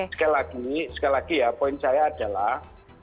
sekali lagi ya poin saya adalah